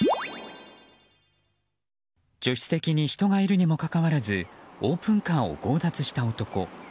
助手席に人がいるにもかかわらずオープンカーを強奪した男。